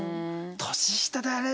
年下であれ。